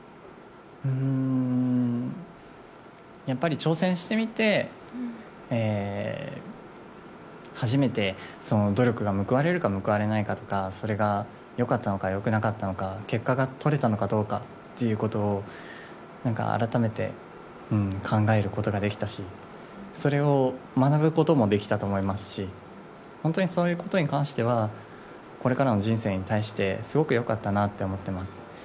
やっぱり挑戦してみて、初めて努力が報われるか報われないかとか、それがよかったのかよくなかったのか結果がとれたのかどうかということを改めて考えることができたし、それを学ぶこともできたと思いますし、そういうことに関しては、これからの人生に対して、すごくよかったなと思ってます。